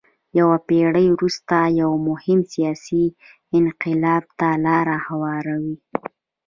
یوه پېړۍ وروسته یو مهم سیاسي انقلاب ته لار هواروي.